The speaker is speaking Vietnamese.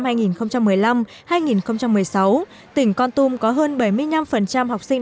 và năm hai nghìn một mươi năm hai nghìn một mươi sáu tỉnh con tông có hơn bảy mươi năm học sinh